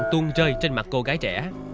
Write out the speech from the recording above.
tuôn rơi trên mặt cô gái trẻ